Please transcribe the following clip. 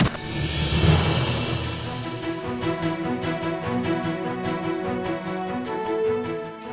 berdasar sama pak amar